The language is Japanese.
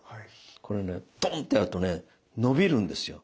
これねドーンッてやるとね伸びるんですよ。